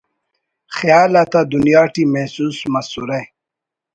خیال آتا دنیا ٹی محسوس مسرہ